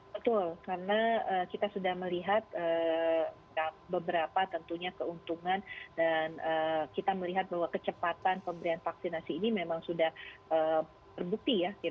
betul karena kita sudah melihat beberapa tentunya keuntungan dan kita melihat bahwa kecepatan pemberian vaksinasi ini memang sudah terbukti ya